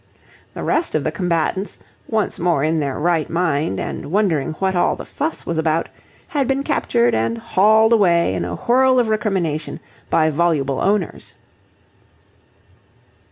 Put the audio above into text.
The rest of the combatants, once more in their right mind and wondering what all the fuss was about, had been captured and haled away in a whirl of recrimination by voluble owners.